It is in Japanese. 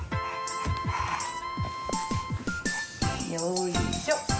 よいしょ。